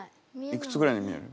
いくつぐらいに見える？